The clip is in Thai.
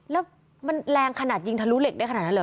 แล้วมันแรงขนาดยิงทะลุเหล็กได้ขนาดนั้นเหรอ